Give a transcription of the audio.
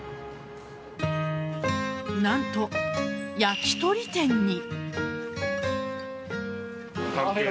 何と、焼き鳥店に。